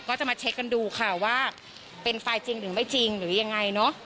ก็จะมาเช็คกันดูค่ะว่าเป็นไฟล์จริงหรือไม่จริงหรือยังไงเนอะ